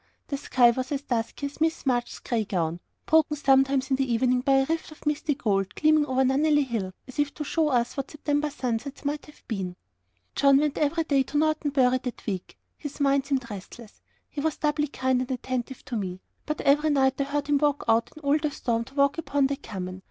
The sky was as dusky as Miss March's grey gown; broken sometimes in the evening by a rift of misty gold, gleaming over Nunnely Hill, as if to show us what September sunsets might have been. John went every day to Norton Bury that week. His mind seemed restless he was doubly kind and attentive to me; but every night I heard him go out in all the storm to walk upon the common.